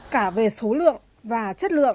cả về số lượng và chất lượng